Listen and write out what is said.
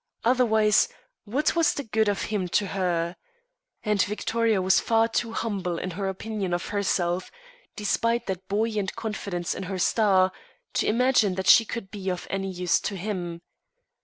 Otherwise, what was the good of him to her? And Victoria was far too humble in her opinion of herself, despite that buoyant confidence in her star, to imagine that she could be of any use to him.